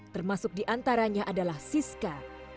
termasuk diantaranya adalah siska